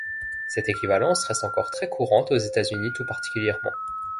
Cette équivalence reste encore très courante aux États-Unis tout particulièrement.